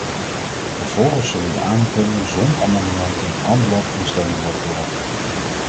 Vervolgens zullen de aanbevelingen zonder amendementen en bloc in stemming worden gebracht.